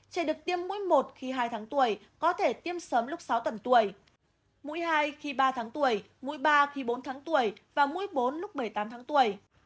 trẻ được tiêm mũi một khi hai tháng tuổi có thể tiêm sớm lúc sáu tuần tuổi mũi hai khi ba tháng tuổi mũi ba khi bốn tháng tuổi và mũi bốn lúc bảy mươi tám tháng tuổi